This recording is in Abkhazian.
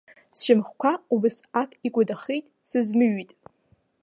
Сшьамхқәа убасҟак икәадахеит, сызмыҩит.